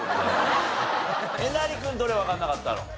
えなり君どれわかんなかったの？